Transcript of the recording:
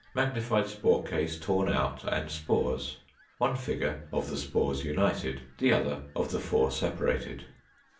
Magnified spore case torn out, and spores; one figure of the spores united; the other of the four separated.